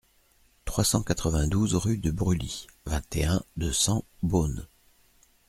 trois cent quatre-vingt-douze rue de Brully, vingt et un, deux cents, Beaune